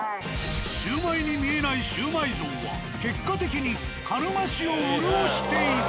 シウマイに見えないシウマイ像は結果的に鹿沼市を潤していた。